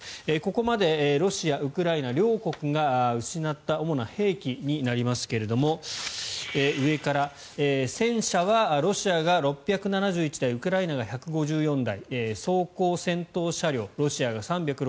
ここまでロシア、ウクライナ両国が失った主な兵器になりますが上から戦車はロシアが６７１台ウクライナが１５４台装甲戦闘車両ロシアが３６５台